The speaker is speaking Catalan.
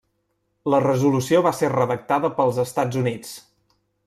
La resolució va ser redactada pels Estats Units.